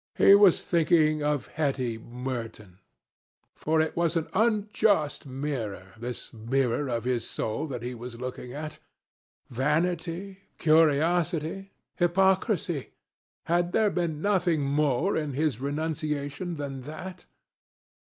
He was thinking of Hetty Merton. For it was an unjust mirror, this mirror of his soul that he was looking at. Vanity? Curiosity? Hypocrisy? Had there been nothing more in his renunciation than that?